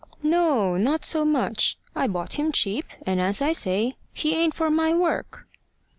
"No, not so much. I bought him cheap, and as I say, he ain't for my work."